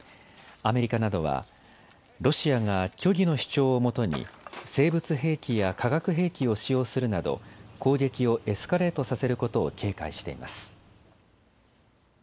アメリカなどはロシアが虚偽の主張をもとに生物兵器や化学兵器を使用するなど攻撃をエスカレートさせることを警戒しています。